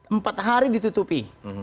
empat hari ditutupi